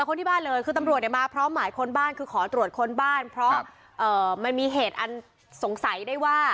คนที่บ้านเลยคือตำรวจเนี่ยมาพร้อมหมายค้นบ้านคือขอตรวจค้นบ้านเพราะมันมีเหตุอันสงสัยได้ว่า